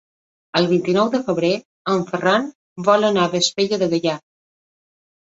El vint-i-nou de febrer en Ferran vol anar a Vespella de Gaià.